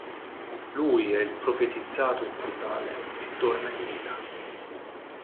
Lui è il profetizzato Immortale e torna in vita.